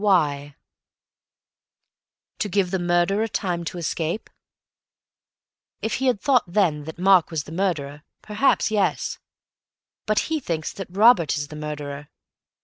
Why? To give the murderer time to escape? If he had thought then that Mark was the murderer, perhaps, yes. But he thinks that Robert is the murderer.